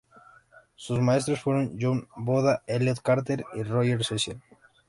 Sus maestros fueron John Boda, Elliott Carter, y Roger Sessions.